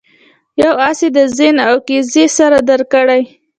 یو آس یې د زین او کیزې سره درکړی.